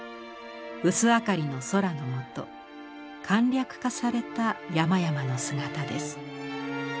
薄明かりの空の下簡略化された山々の姿です。